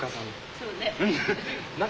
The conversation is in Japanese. そうね。